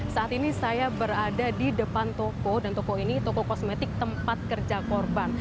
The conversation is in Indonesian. saat ini saya berada di depan toko dan toko ini toko kosmetik tempat kerja korban